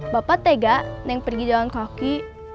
bapak tega naik pergi jalan kaki